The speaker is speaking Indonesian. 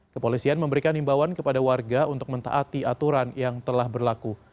kepolisian memberikan himbawan kepada warga untuk mentaati aturan yang telah berlaku